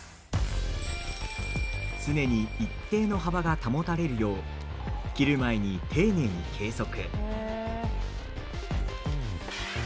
常に一定の幅が保たれるよう切る前に丁寧に計測。